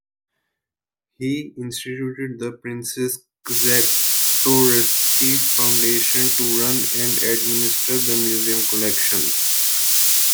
He instituted the Princes Czartoryski Foundation to run and administer the Museum Collections.